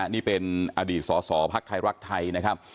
นี่เป็นอสภาคไทรรักษชาติไทย